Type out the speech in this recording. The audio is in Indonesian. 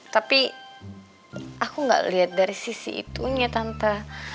tapi aku gak liat dari sisi itunya tante